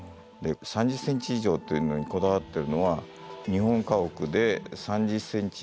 ３０センチ以上というのにこだわってるのは日本家屋で３０センチ以上火山